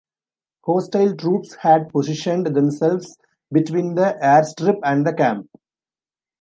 Hostile troops had positioned themselves between the airstrip and the camp.